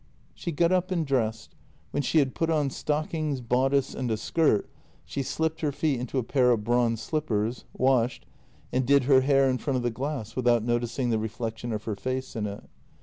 She got up and dressed. When she had put on stockings, bodice, and a skirt she slipped her feet into a pair of bronze slippers, washed, and did her hair in front of the glass without noticing the reflection of her face in it.